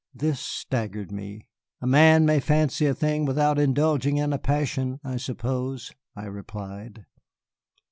This staggered me. "A man may fancy a thing, without indulging in a passion, I suppose," I replied.